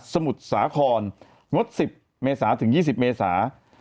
มุทรสาครงด๑๐เมษาถึง๒๐เมษา